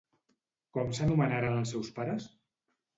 Com s'anomenaren els seus pares?